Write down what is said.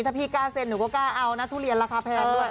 ถ้าพี่กล้าเซ็นหนูก็กล้าเอานะทุเรียนราคาแพงด้วย